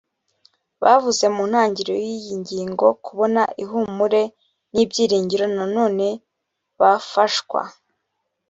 bavuzwe mu ntangiriro y iyi ngingo kubona ihumure n ibyiringiro nanone bafashwa